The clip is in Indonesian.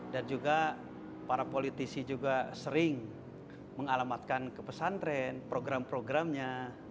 dan juga para politisi juga sering mengalamatkan ke pesantren program programnya